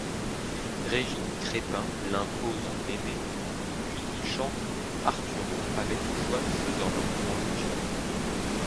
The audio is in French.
Régine Crespin l'impose en Énée puis il chante Arturo avec Joan Sutherland en Lucia.